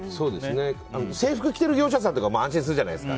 制服を着てる業者さんとかは安心するじゃないですか。